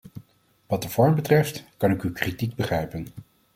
Wat de vorm betreft, kan ik uw kritiek begrijpen.